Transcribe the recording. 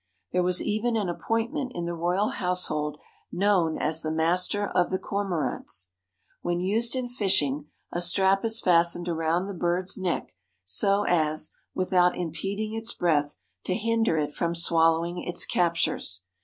There was even an appointment in the royal household known as the "Master of the Cormorants." When used in fishing "a strap is fastened around the bird's neck so as, without impeding its breath, to hinder it from swallowing its captures.